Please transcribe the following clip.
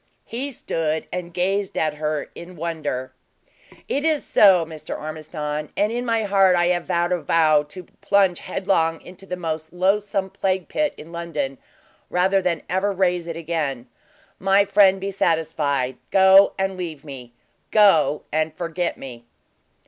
He stood and gazed at her in wonder. "It is so, Mr. Ormiston; and in my heart I have vowed a vow to plunge headlong into the most loathsome plague pit in London, rather than ever raise it again. My friend, be satisfied. Go and leave me; go and forget me."